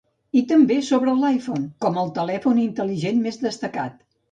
I també sobre l'iPhone com el telèfon intel·ligent més destacat.